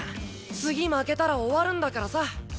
次負けたら終わるんだからさ。